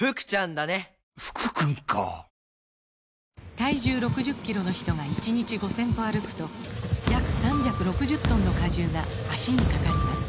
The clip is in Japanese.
体重６０キロの人が１日５０００歩歩くと約３６０トンの荷重が脚にかかります